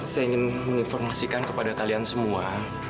saya ingin menginformasikan kepada kalian semua